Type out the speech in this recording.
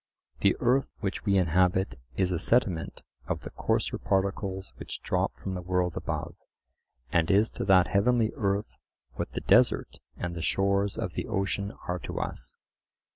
The earth which we inhabit is a sediment of the coarser particles which drop from the world above, and is to that heavenly earth what the desert and the shores of the ocean are to us.